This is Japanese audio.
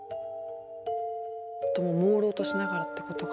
もうろうとしながらってことか。